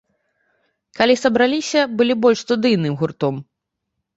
Калі сабраліся, былі больш студыйным гуртом.